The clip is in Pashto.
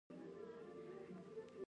دوی په ټوله نړۍ کې پلورل کیږي.